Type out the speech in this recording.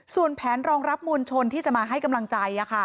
ส่วนแผนรองรับมวลชนที่จะมาให้กำลังใจ